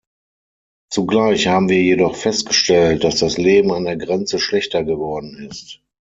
Zugleich haben wir jedoch festgestellt, dass das Leben an der Grenze schlechter geworden ist.